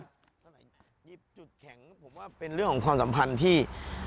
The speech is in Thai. สมัยจุดแข็งผมว่าเป็นเรื่องของความสัมพันธ์ที่